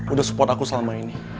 udah support aku selama ini